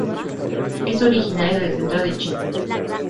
Es originaria del centro de China.